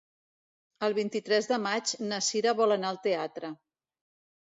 El vint-i-tres de maig na Sira vol anar al teatre.